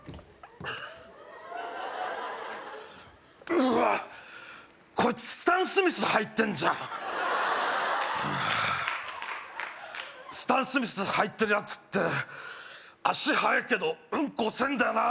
うわこいつスタンスミスはいてんじゃんスタンスミスはいてるやつって足速えけどウンコ遅えんだよなあ